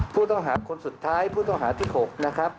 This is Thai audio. ผู้ต้องหาคนสุดท้ายผู้ต้องหาที่๖นะครับ